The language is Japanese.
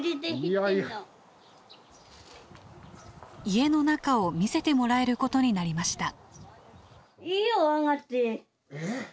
家の中を見せてもらえることになりました。